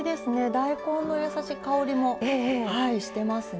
大根のやさしい香りもしてますね。